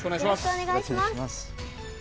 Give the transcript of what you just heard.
よろしくお願いします。